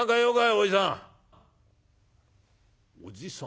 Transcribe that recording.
おじさん」。